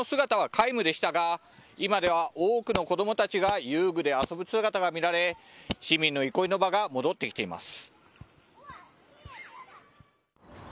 １か月前は子どもの姿は皆無でしたが、今では、多くの子どもたちが遊具で遊ぶ姿が見られ、市民の憩いの場が戻ってきています。